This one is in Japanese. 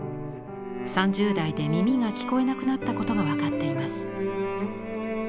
３０代で耳が聞こえなくなったことが分かっています。